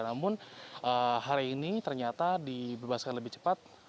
namun hari ini ternyata dibebaskan lebih cepat